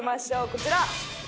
こちら。